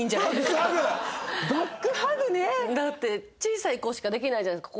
だって小さい子しかできないじゃないですか